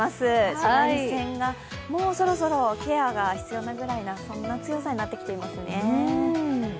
紫外線がもうそろそろケアが必要なぐらいな強さになってきていますね。